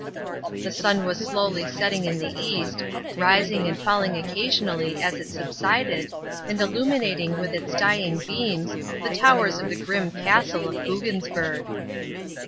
The sun was slowly setting in the east, rising and falling occasionally as it subsided, and illuminating with its dying beams the towers of the grim castle of Buggensberg.